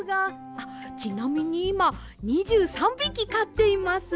あっちなみにいま２３びきかっています。